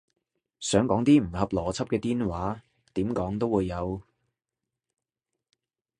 想講啲唔合邏輯嘅癲話，點講都會有